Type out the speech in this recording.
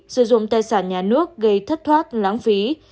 sử dụng tài sản nhà nước gây thất thoát lãng phí